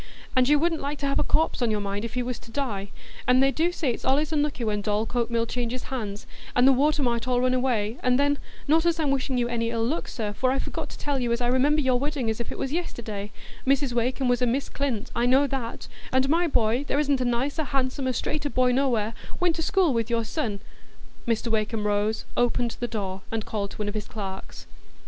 And you wouldn't like to have a corpse on your mind, if he was to die; and they do say as it's allays unlucky when Dorlcote Mill changes hands, and the water might all run away, and then—not as I'm wishing you any ill luck, sir, for I forgot to tell you as I remember your wedding as if it was yesterday; Mrs Wakem was a Miss Clint, I know that; and my boy, as there isn't a nicer, handsomer, straighter boy nowhere, went to school with your son——" Mr Wakem rose, opened the door, and called to one of his clerks.